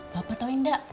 pak bapak tau nggak